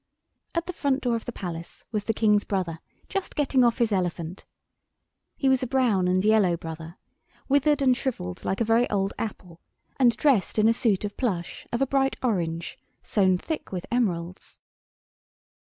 At the front door of the Palace was the King's brother just getting off his elephant. He was a brown and yellow brother, withered and shrivelled like a very old apple, and dressed in a suite of plush of a bright orange, sown thick with emeralds.